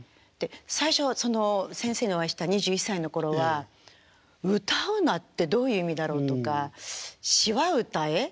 最初その先生にお会いした２１歳の頃は歌うなってどういう意味だろうとか詞は歌え？